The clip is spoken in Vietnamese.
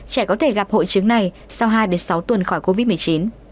trẻ có thể gặp hội chứng này sau hai sáu tuần khỏi covid một mươi chín